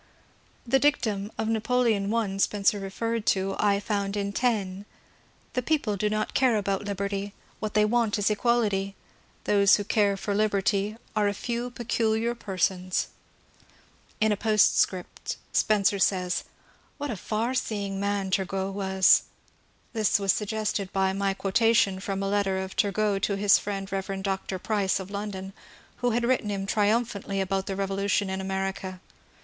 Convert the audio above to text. The dictum of Napoleon I Spencer referred to I found in Taine :*^ The people do not care about Liberty ; what they want is Equality. Those who care for Liberty are a few 436 MON'CUEE DANIEL CONWAY peculiar persons/' In a postscript Spencer says, What a far seeing man Turgot was I " This was suggested by my quo tation from a letter of Turgot to his friend Rev. Dr. Price of London, who had written him triumphantly about the revolu tion in America.